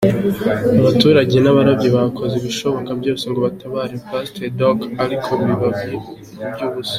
Abaturage n’abarobyi bakoze ibishoboka byose ngo batabare Pasiteri Docho ariko biba iby’ubusa.